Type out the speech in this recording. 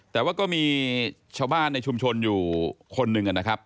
แต่ว่าก็มีชาวบ้านในชุมชนอยู่คนหนึ่งนะครับ